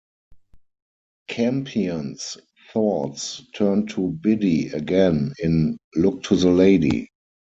Campion's thoughts turn to Biddy again in "Look to the Lady".